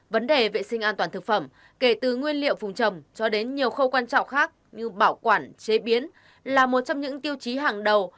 vấn đề vệ sinh an toàn thực phẩm kể từ nguyên liệu phùng trầm cho đến nhiều khâu quan trọng khác như bảo quản chế biến là một trong những tiêu chí hàng đầu